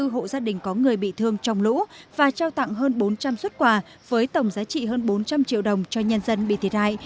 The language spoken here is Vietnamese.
hai mươi hộ gia đình có người bị thương trong lũ và trao tặng hơn bốn trăm linh xuất quà với tổng giá trị hơn bốn trăm linh triệu đồng cho nhân dân bị thiệt hại